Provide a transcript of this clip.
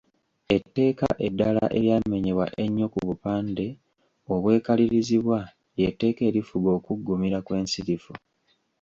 Etteeka eddala eryamenyebwa ennyo ku bupande obwekalirizibwa ly'etteeka erifuga okuggumira kw'ensirifu.